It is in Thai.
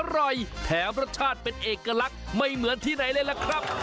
อร่อยแถมรสชาติเป็นเอกลักษณ์ไม่เหมือนที่ไหนเลยล่ะครับ